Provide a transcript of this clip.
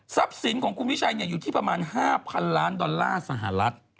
สินของคุณวิชัยอยู่ที่ประมาณ๕๐๐๐ล้านดอลลาร์สหรัฐ